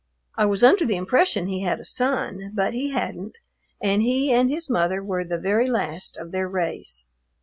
I was under the impression he had a son, but he hadn't, and he and his mother were the very last of their race.